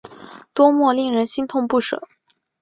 多么令人心痛不舍